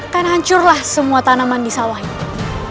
kan hancurlah semua tanaman di sawah itu